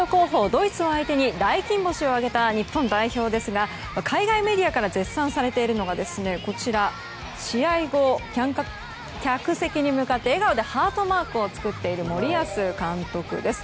ドイツ相手に大金星を挙げた日本代表ですが海外メディアから絶賛されているのがこちら、試合後客席に向かって笑顔でハートマークを作っている森保監督です。